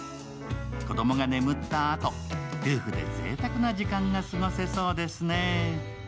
子供が眠ったあと、夫婦でぜいたくな時間が過ごせそうですね。